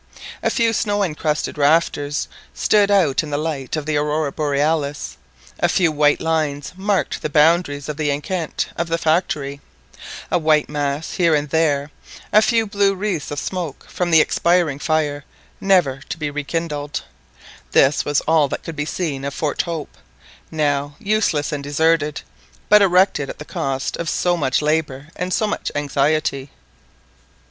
A few snow encrusted rafters stood out in the light of the Aurora Borealis, a few white lines marked the boundaries of the enceinte of the factory, a—white mass here and there, a few blue wreaths of smoke from the expiring fire never to be rekindled; this was all that could be seen of Fort Hope, now useless and deserted, but erected at the cost of so much labour and so much anxiety.